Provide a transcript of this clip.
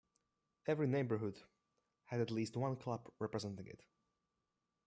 Every neighborhood had at least one club representing it.